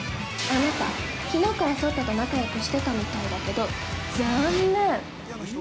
◆あなた、きのうから颯太と仲良くしてたみたいだけど、残念！！